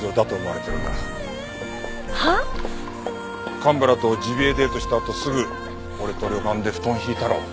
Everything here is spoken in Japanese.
蒲原とジビエデートしたあとすぐ俺と旅館で布団敷いたろ？